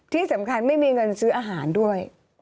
ที่สำคัญไม่มีเงินซื้ออาหารด้วย